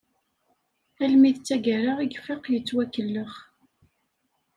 Almi d taggara i ifaq yettwakellex.